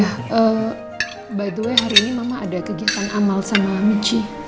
ya by the way hari ini mama ada kegiatan amal sama michi